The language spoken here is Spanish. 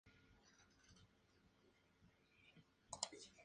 Hay apariencia de que el retrato primitivo de Don Fr.